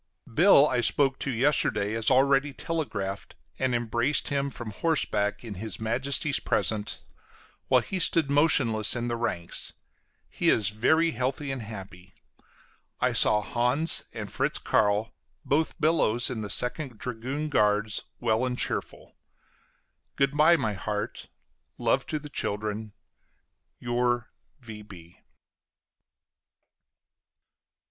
Bill I spoke to yesterday, as already telegraphed, and embraced him from horseback in his Majesty's presence, while he stood motionless in the ranks. He is very healthy and happy. I saw Hans and Fritz Carl, both Billows, in the Second dragoon guards, well and cheerful. Good by, my heart; love to the children. Your V.